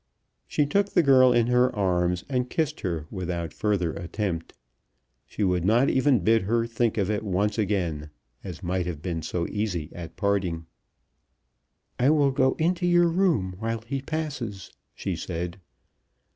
She took the girl in her arms and kissed her without further attempt. She would not even bid her think of it once again, as might have been so easy at parting. "I will go into your room while he passes," she said.